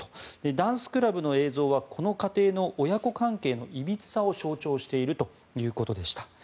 ダンスクラブの映像はこの家庭の親子関係のいびつさを象徴しているということでした。